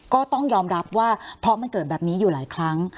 ก็ต้องยอมรับว่าเพราะมันเกิดแบบนี้อยู่หลายครั้ง